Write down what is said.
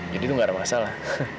jadi itu gak ada masalah